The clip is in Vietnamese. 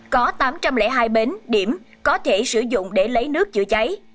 có tám trăm linh hai bến điểm có thể sử dụng để lấy nước chữa cháy